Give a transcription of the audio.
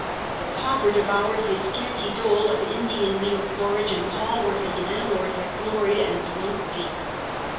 The pauper devoured his scanty dole of Indian meal porridge in the hall where his landlord had gloried and drunk deep.